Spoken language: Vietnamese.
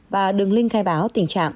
và đường link khai báo tình trạng